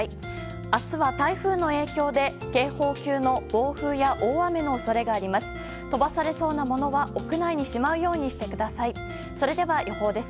明日は、台風の影響で警報級の暴風や大雨の恐れがあります。